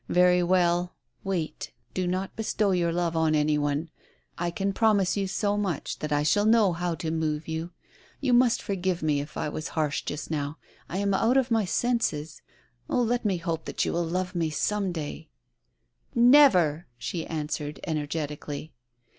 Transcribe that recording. Very well, wait, do not bestow your love on any one. I can promise you so much that I shall know how to move you. You must forgive me if I was harsh just now. I am out of my senses. Oh, let me hope that you will love me some day I" " Never !" she answered, energetically.